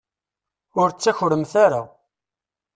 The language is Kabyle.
Ur ttakremt ara.